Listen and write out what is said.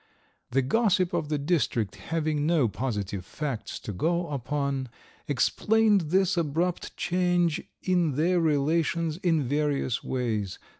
The gossip of the district having no positive facts to go upon explained this abrupt change in their relations in various ways.